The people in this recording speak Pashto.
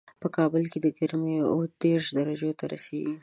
په کابل کې ګرمي اووه دېش درجو ته رسېږي